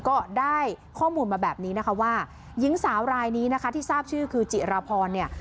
ก็ได้ข้อมูลมาแบบนี้นะคะว่าหญิงสาวรายนี้นะคะที่ทราบชื่อคือจิรพรเนี่ย